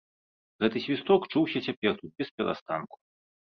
Гэты свісток чуўся цяпер тут бесперастанку.